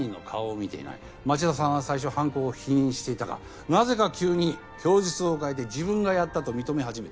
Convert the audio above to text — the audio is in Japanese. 町田さんは最初犯行を否認していたがなぜか急に供述を変えて自分がやったと認め始めた。